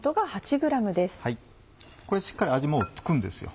これしっかり味付くんですよ。